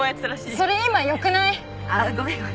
それ今よくない？あっごめんごめん。